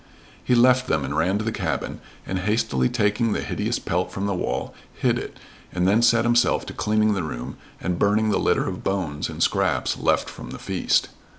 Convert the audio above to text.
He left them and ran to the cabin, and hastily taking the hideous pelt from the wall, hid it, and then set himself to cleaning the room and burning the litter of bones and scraps left from the feast.